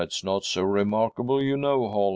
That's not so remarkable, you know, Holm.